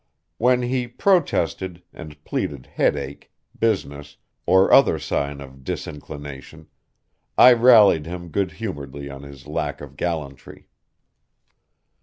When he protested, and pleaded headache, business, or other sign of disinclination, I rallied him good humoredly on his lack of gallantry.